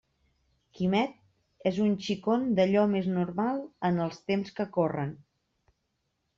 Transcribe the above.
Quimet és un xicon d'allò més normal en els temps que corren.